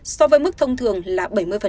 so với mức thông thường là bảy mươi